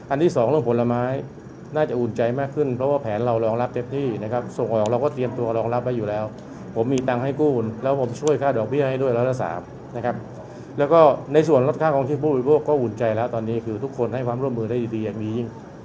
อันที่สองลงผลหมายน่าจะอุ่นใจมากขึ้นเพราะแผนแบบเราต้องรองรับเต็มที่